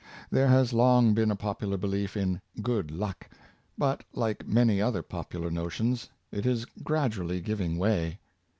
There has long been a popular belief in "good luck; " but, like many other popular notions, it is gradually giving way.